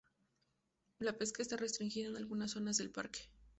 La pesca está restringida en algunas zonas del parque.